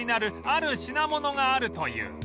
ある品物があるという